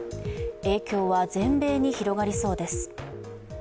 影響は全米に広がりそうです。